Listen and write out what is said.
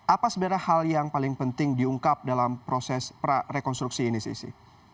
apa sebenarnya hal yang paling penting diungkap dalam proses prarekonstruksi ini sisi